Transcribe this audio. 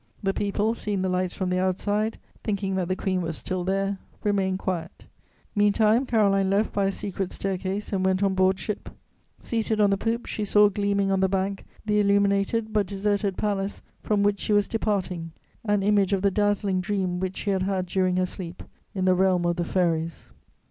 The people, seeing the lights from the outside, thinking that the Queen was still there, remained quiet. Meantime Caroline left by a secret stair case and went on board ship. Seated on the poop, she saw gleaming on the bank the illuminated, but deserted palace from which she was departing, an image of the dazzling dream which she had had during her sleep in the realm of the fairies.